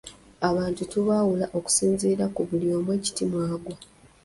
Abantu tubaawula okusinziira ku buli omu ekiti mw'agwa.